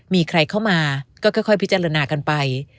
มีใครเข้ามาก็ค่อยพิจารณากันไป